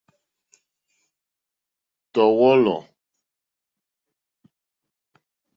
Tɔ̀ wɔ̌lɔ̀.